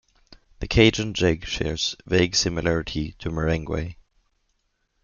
The Cajun Jig shares vague similarity to Merengue.